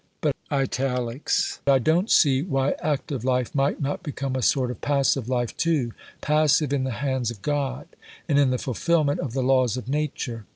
But _I don't see why active life might not become a sort of passive life too, passive in the hands of God and in the fulfilment of the laws of nature.